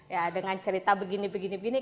ya dengan cerita begini begini